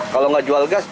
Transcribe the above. kalau nggak jual gas